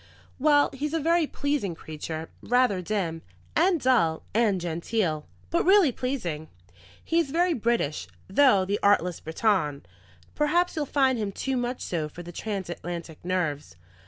"Well, he's a very pleasing creature, rather dim, and dull, and genteel, but really pleasing. He is very British, though, the artless Briton! Perhaps you'll find him too much so for the transatlantic nerves.